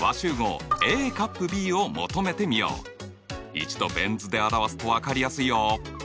一度ベン図で表すと分かりやすいよ。